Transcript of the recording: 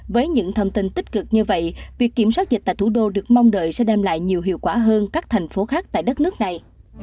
với những thông tin tích cực như vậy việc kiểm soát dịch tại thủ đô được mong đợi sẽ đem lại nhiều hiệu quả hơn các thành phố khác tại đất nước này